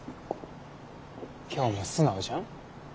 今日も素直じゃん。